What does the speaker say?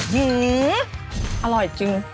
หืออร่อยจริง